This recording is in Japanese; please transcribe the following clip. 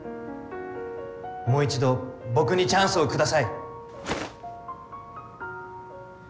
もう一度僕にチャンスを下さい。